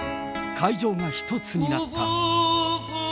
会場が一つになった。